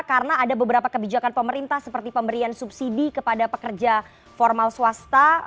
karena ada beberapa kebijakan pemerintah seperti pemberian subsidi kepada pekerja formal swasta